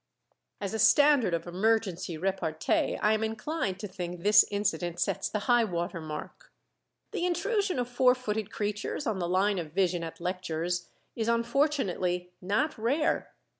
As a standard of emergency repartee I am inclined to think this incident sets the high water mark. The intrusion of four footed creatures on the line of vision at lectures is unfortunately not rare.